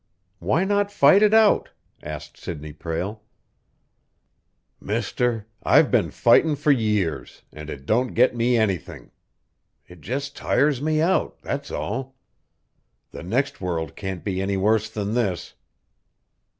"Why not fight it out?" asked Sidney Prale. "Mister, I've been fightin' for years, and it don't get me anything. It just tires me out that's all. The next world can't be any worse than this."